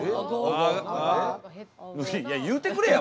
いや言うてくれや！